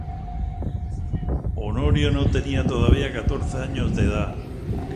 Honorio no tenía todavía catorce años de edad.